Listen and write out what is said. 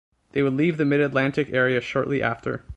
They would leave the Mid-Atlantic area shortly after.